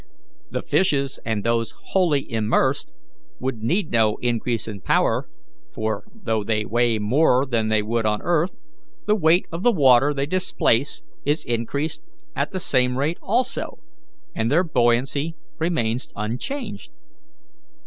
The fishes and those wholly immersed need no increase in power, for, though they weigh more than they would on earth, the weight of the water they displace is increased at the same rate also, and their buoyancy remains unchanged.